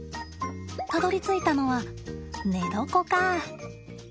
たどりついたのは寝床か。